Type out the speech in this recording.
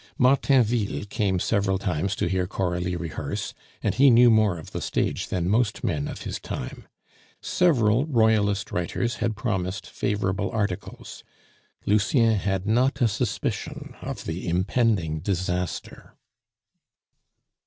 Martainville came several times to hear Coralie rehearse, and he knew more of the stage than most men of his time; several Royalist writers had promised favorable articles; Lucien had not a suspicion of the impending disaster.